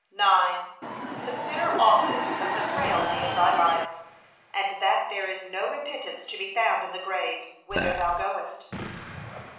9. Consider often of the frailty of thy life, and that there is no repentance to be found in the grave, whither thou goest.